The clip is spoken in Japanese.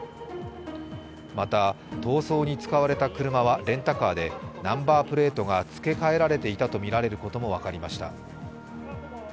また、逃走に使われた車はレンタカーでナンバープレートが付け替えられていたとみられることも分かりました。